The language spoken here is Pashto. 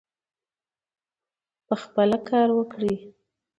پخپله کار وکړي.